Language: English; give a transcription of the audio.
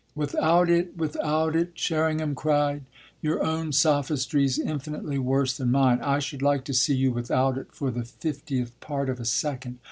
"Without it without it?" Sherringham cried. "Your own sophistry's infinitely worse than mine. I should like to see you without it for the fiftieth part of a second.